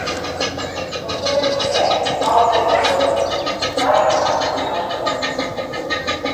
- Ошоно битеңә... алып бәрмәҫ борон... тай мынан, уйнашсы!